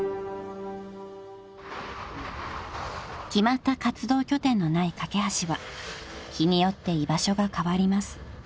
［決まった活動拠点のないかけはしは日によって居場所が変わります］